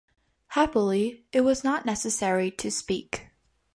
Happily it was not necessary to speak.